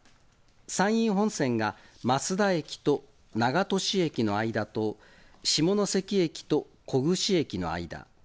山陰本線が益田駅と長門市駅の間と、下関駅と小串駅の間。